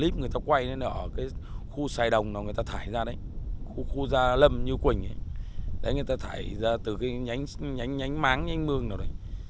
đấy người ta thải ra từ cái nhánh máng nhánh mương nào đấy